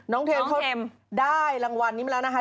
เทลเขาได้รางวัลนี้มาแล้วนะคะ